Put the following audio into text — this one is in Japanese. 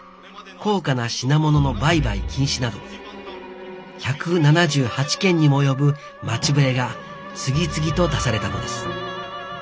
高価な品物の売買禁止など１７８件にも及ぶ町触が次々と出されたのです。